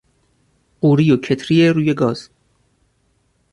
قوری و کتری رو گازی